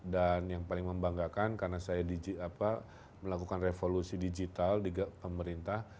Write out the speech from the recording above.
dan yang paling membanggakan karena saya melakukan revolusi digital di pemerintah